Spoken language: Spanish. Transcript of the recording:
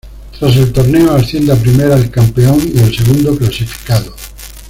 Tras el torneo asciende a Primera el campeón y el segundo clasificado.